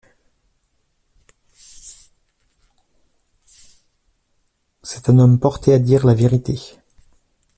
C’est un homme porté à dire la vérité.